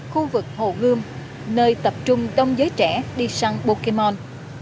khu vực hồ gươm nơi tập trung đông giới trẻ đi săn pokemon